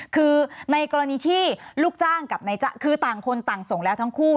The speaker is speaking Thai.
คือในกรณีที่ลูกจ้างกับนายจ้างคือต่างคนต่างส่งแล้วทั้งคู่